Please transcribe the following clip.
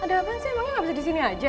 ada apaan sih emangnya gak bisa di sini aja